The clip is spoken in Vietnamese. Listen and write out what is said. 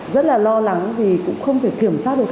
rất là lo lắng vì cũng không thể kiểm soát được